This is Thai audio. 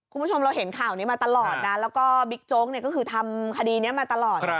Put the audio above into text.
คุณผู้ชมเราเห็นข่าวนี้มาตลอดนะแล้วก็บิ๊กโจ๊กเนี่ยก็คือทำคดีนี้มาตลอด